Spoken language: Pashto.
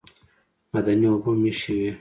معدني اوبه هم ایښې وې.